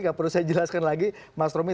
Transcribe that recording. gak perlu saya jelaskan lagi mas romih